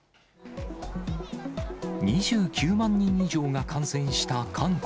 ２９万人以上が感染した韓国。